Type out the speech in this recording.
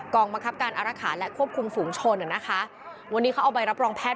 บังคับการอารักษาและควบคุมฝูงชนอ่ะนะคะวันนี้เขาเอาใบรับรองแพทย